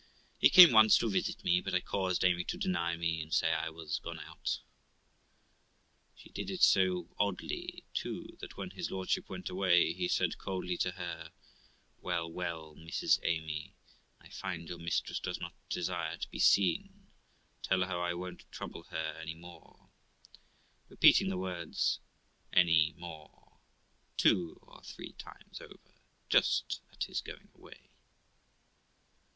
He came once to visit me, but I caused Amy to 316 THE LIFE OF ROXANA deny me, and say I was gone out. She did it so oddly, too, that, when his lordship went away, he said coldly to her, 'Well, well, Mrs Amy, I find your mistress does not desire to be seen ; tell her I won't trouble her any more', repeating the words 'any more' two or three times over, just at his going away.